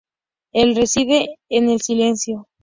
Él reside en el silencio.